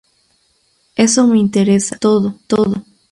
Eso me interesa... todo.